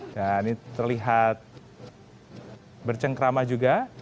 nah ini terlihat bercengkrama juga